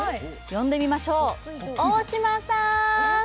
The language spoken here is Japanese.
呼んでみましょう、大島さーん。